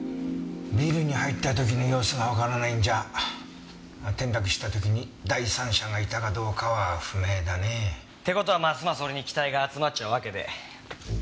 ビルに入った時の様子がわからないんじゃ転落した時に第三者がいたかどうかは不明だね。って事はますます俺に期待が集まっちゃうわけで。